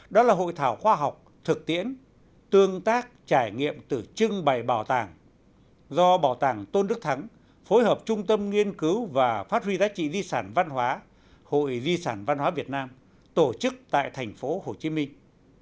đó là hội thảo khoa học thực tiễn tương tác trải nghiệm từ trưng bày bảo tàng do bảo tàng tôn đức thắng phối hợp trung tâm nghiên cứu và phát huy giá trị di sản văn hóa hội di sản văn hóa việt nam tổ chức tại thành phố hồ chí minh